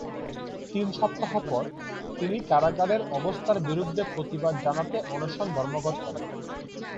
তিন সপ্তাহ পর, তিনি কারাগারের অবস্থার বিরুদ্ধে প্রতিবাদ জানাতে অনশন ধর্মঘট করেন।